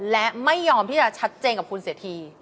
และไม่ยอมที่จะชัดเจนกับคุณเสียที